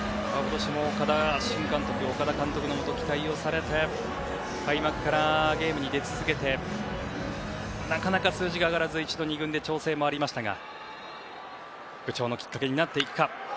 岡田監督のもと期待をされて開幕からゲームに出続けてなかなか数字が上がらず一度、２軍で調整もありましたが復調のきっかけになっていくか。